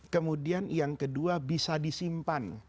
kemudian yang kedua bisa disimpan